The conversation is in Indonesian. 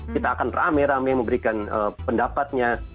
kita akan rame rame memberikan pendapatnya